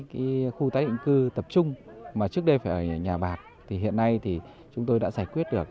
cái khu tái định cư tập trung mà trước đây phải ở nhà bạc thì hiện nay thì chúng tôi đã giải quyết được